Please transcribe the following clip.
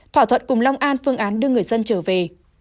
thỏa thuận cùng long an phương án đưa người dân trở về